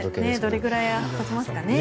どれぐらいで落ちますかね。